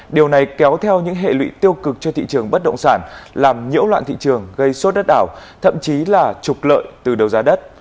điều này kéo theo những hệ lụy tiêu cực cho thị trường bất động sản làm nhiễu loạn thị trường gây sốt đất ảo thậm chí là trục lợi từ đầu giá đất